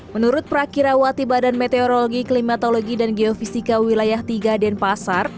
menurut prakirawati badan meteorologi klimatologi dan geofisika wilayah tiga denpasar